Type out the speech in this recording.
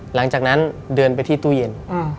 หลังจากนั้นเดินไปที่ตู้เย็น